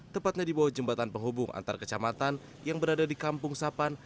tepatnya di bawah jembatan penghubung antar kecamatan yang berada di kampung sapan